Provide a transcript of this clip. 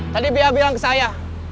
tadi bia bilang ke saya